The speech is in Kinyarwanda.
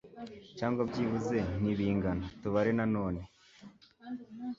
Cyangwa byibuze ntibingana tubare nanone